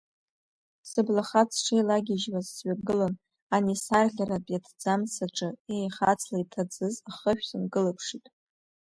Сыблахаҵ шеилагьыжьуаз, сҩагылан, ани сарӷьарахьтәи аҭӡамц аҿы, еихацла иҭаӡыз ахышә сынкылыԥшит.